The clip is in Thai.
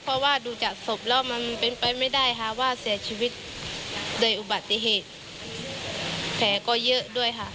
เพราะว่าดูจากศพแล้วมันเป็นไปไม่ได้ค่ะว่าเสียชีวิตโดยอุบัติเหตุแผลก็เยอะด้วยค่ะ